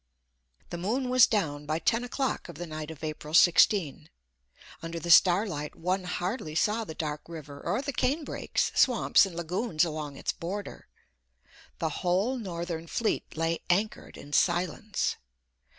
The moon was down by ten o'clock of the night of April 16. Under the starlight one hardly saw the dark river or the cane brakes, swamps, and lagoons along its border. The whole Northern fleet lay anchored in silence.